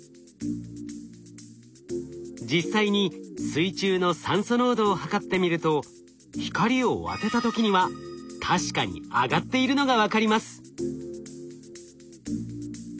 実際に水中の酸素濃度を測ってみると光を当てた時には確かに上がっているのが分かります。